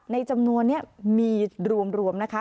จำนวนนี้มีรวมนะคะ